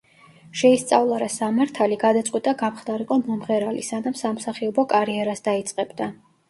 შეისწავლა რა სამართალი, გადაწყვიტა გამხდარიყო მომღერალი, სანამ სამსახიობო კარიერას დაიწყებდა.